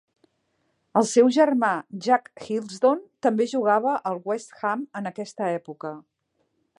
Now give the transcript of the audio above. El seu germà Jack Hilsdon també jugava al West Ham en aquesta època.